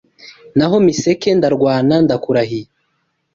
Naho Miseke ndarwana ndakurahiye